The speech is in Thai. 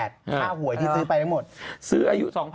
ค่าหวยที่ซื้อไปทั้งหมดซื้ออายุ๒๐๐๐